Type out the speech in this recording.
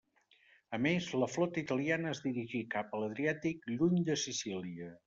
A més, la flota italiana es dirigí cap a l'Adriàtic, lluny de Sicília.